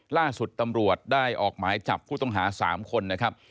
ล่าสุดตำรวจได้ออกหมายจับผู้ต้องหา๓คนนะครับ